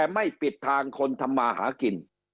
ไม่ปิดทางคนทำมาหากิน